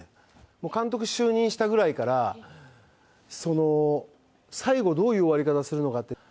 もう監督就任したぐらいから、最後、どういう終わり方をするのかって。